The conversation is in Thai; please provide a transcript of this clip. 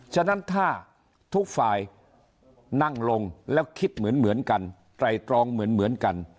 ฉะนั้นถ้าทุกฝ่ายนั่งลงแล้วคิดเหมือนกันไตรตรองเหมือนกัน